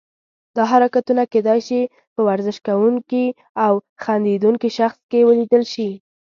دا حرکتونه کیدای شي په ورزش کوونکي او خندیدونکي شخص کې ولیدل شي.